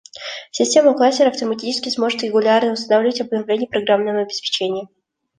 Система кластера автоматически сможет регулярно устанавливать обновления программного обеспечения